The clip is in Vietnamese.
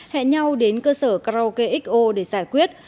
hẹn nhau đến cơ sở karaoke xo để giải quyết